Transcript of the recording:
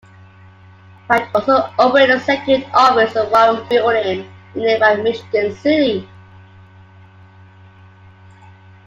Wright also opened a second office in the Warren Building in nearby Michigan City.